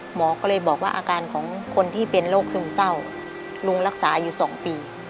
หมอก็เลยบอกว่าอาการของคนที่เป็นโรคซึมเศร้าลุงรักษาอยู่๒ปี